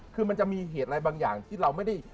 คือมันจะมีเหตุอะไรบางอย่างที่เราไม่ได้